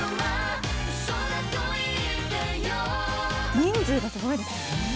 人数がすごいですね。